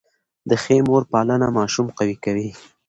د ښې مور پالنه ماشوم قوي کوي.